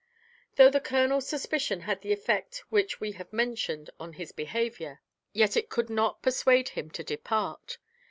Though the colonel's suspicion had the effect which we have mentioned on his behaviour, yet it could not persuade him to depart.